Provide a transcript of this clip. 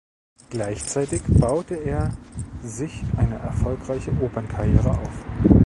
Gleichzeitig baute er sich eine erfolgreiche Opernkarriere auf.